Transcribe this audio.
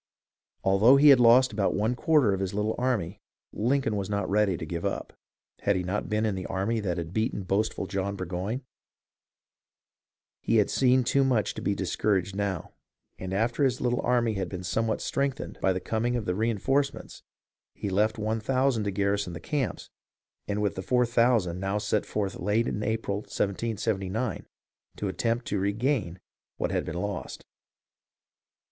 Although he had lost about one quarter of his little army, Lincoln was not ready to give up. Had he not been in the army that had beaten boastful John Burgoyne .• He had seen too much to be discouraged now, and after his little army had been somewhat strengthened by the com ing of reenforcements, he left one thousand to garrison the camps, and with the four thousand now left set forth late in April, 1779, ^^ attempt to regain what had been lost.